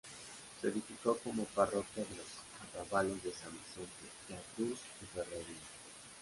Se edificó como parroquia de los arrabales de San Vicente, la Cruz y Ferrerías.